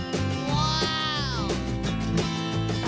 ว้าว